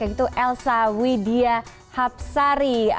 yaitu elsa widia hapsari